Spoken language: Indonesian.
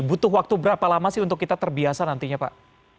butuh waktu berapa lama sih untuk kita terbiasa nantinya pak